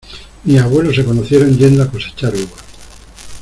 Mis abuelos se conocieron yendo a cosechar uvas.